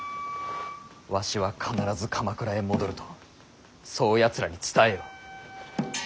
わしは必ず鎌倉へ戻るとそうやつらに伝えよ。